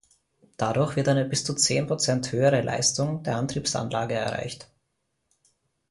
Dadurch wird eine bis zu zehn Prozent höhere Leistung der Antriebsanlage erreicht.